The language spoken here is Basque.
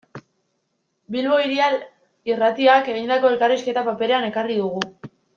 Bilbo Hiria Irratiak egindako elkarrizketa paperera ekarri dugu.